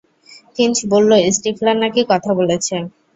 Finch বলল Stifler নাকি কথা বলেছে।